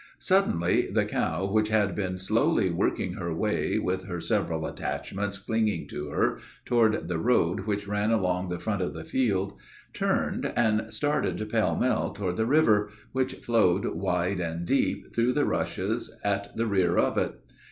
"Suddenly the cow, which had been slowly working her way, with her several attachments clinging to her, toward the road which ran along the front of the field, turned and started pell mell toward the river, which flowed wide and deep, through the rushes, at the rear of it.